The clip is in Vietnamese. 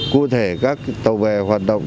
cụ thể các tàu bè hoạt động